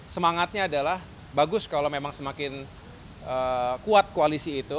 semangatnya adalah bagus kalau memang semakin kuat koalisi itu